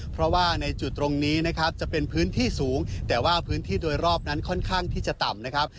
เพราะว่าในจุดตรงนี้นะครับจะเป็นพื้นที่สูงแต่ว่าพื้นที่โดยรอบนั้นค่อนข้างที่จะต่ำนะครับ